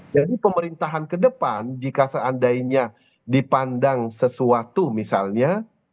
jadi pemerintahan ke depan jika seandainya dipandang sesuatu misalnya